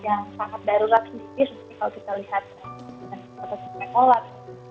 yang sangat darurat cisti seperti kalau kita lihat dengan kota kota yang kolat